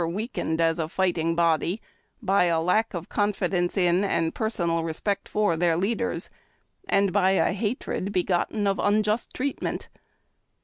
151 weakened as a fighting body by a lack of confidence in and personal respect for their leaders, and by a hatred begotten of unjust treatment.